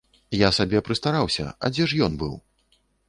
Я сабе прыстараўся, а дзе ж ён быў?